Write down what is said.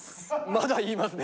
まだ言いますね。